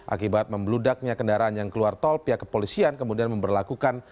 akibat membeludaknya kendaraan yang keluar tol pihak kepolisian kemudian memperlakukan